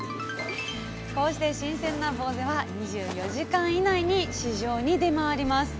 こうして新鮮なぼうぜは２４時間以内に市場に出回ります。